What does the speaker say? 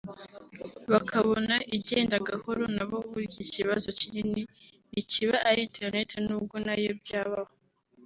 bakabona igenda gahoro nabo burya ikibazo kinini ntikiba ari internet nubwo nayo byabaho